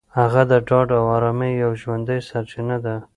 هغه د ډاډ او ارامۍ یوه ژوندۍ سرچینه ده.